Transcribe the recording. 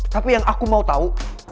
tapi yang aku mau tahu